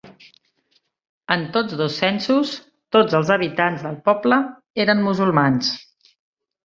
En tots dos censos, tots els habitants del poble eren musulmans.